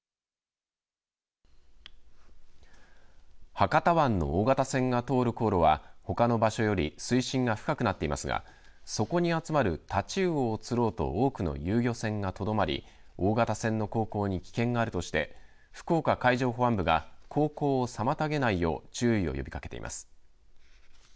博多湾の大型船が通る航路はほかの場所より水深が深くなっていますがそこに集まる太刀魚を釣ろうと多くの遊漁船がとどまり大型船の航行に危険があるとして福岡海上保安部が航行を妨げないよう注意を呼びかけています。